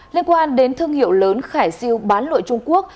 liên quan đến thương hiệu lớn khải siêu bán lụa trung quốc